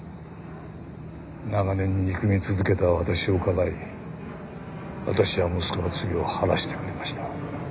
長年憎み続けた私をかばい私や息子の罪を晴らしてくれました。